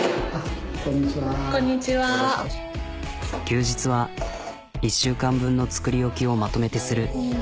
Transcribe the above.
休日は１週間分の作り置きをまとめてする。